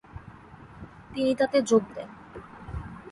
তিনি তাতে যোগ দেন।